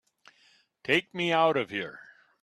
Take me out of here!